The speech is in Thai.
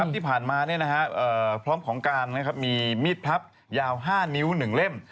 ที่ผ่านมาพร้อมของกลางมีมีดพลับยาว๕นิ้ว๑เล่ม